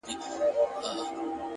باور د اړیکو ساه ده.